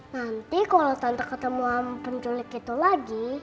nanti kalau tante ketemu penculik itu lagi